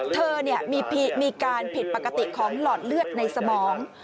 เธอมีการผิดปกติของหลอดเลือดในสมอง